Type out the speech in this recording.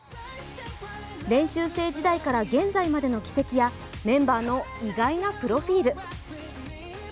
練習生時代から現在までの軌跡やメンバーの意外なプロフィール。